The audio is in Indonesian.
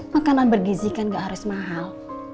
makanan bergizi kan gak harus mahal